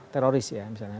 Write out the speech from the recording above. teroris ya misalnya